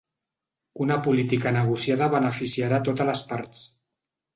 Una política negociada beneficiarà a totes les parts.